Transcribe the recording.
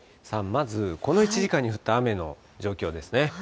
まず、この１時間に降った雨の状況ですね。